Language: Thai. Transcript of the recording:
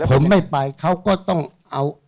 ผมไม่ไปเขาก็ต้องเอา